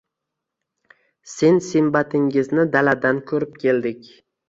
— Sin-simbatingizni daladan ko‘rib keldik.